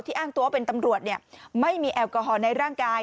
ที่อ้างตัวเป็นตำรวจเนี่ยไม่มีแอลกอฮอล์ในร่างกาย